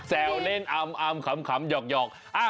แซวเล่นอ้ำขำ